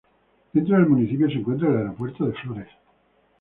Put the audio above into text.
Dentro del municipio se encuentra el aeropuerto de Flores.